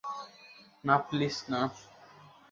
না, প্লিজ, না!